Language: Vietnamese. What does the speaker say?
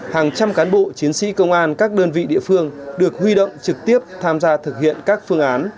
hàng trăm cán bộ chiến sĩ công an các đơn vị địa phương được huy động trực tiếp tham gia thực hiện các phương án